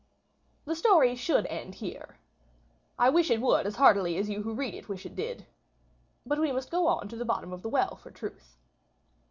The story should end here. I wish it would as heartily as you who read it wish it did. But we must go to the bottom of the well for truth.